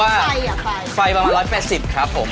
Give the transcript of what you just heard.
ก็แค่หั่นงาน